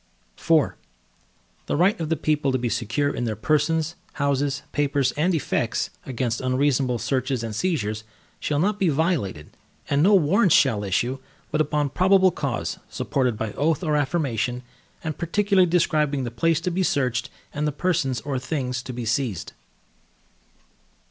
IV The right of the people to be secure in their persons, houses, papers, and effects, against unreasonable searches and seizures, shall not be violated, and no Warrants shall issue, but upon probable cause, supported by oath or affirmation, and particularly describing the place to be searched, and the persons or things to be seized.